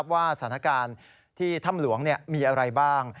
ว่าสถานการณ์ที่ถ้ำหลวงมีอะไรบ้าง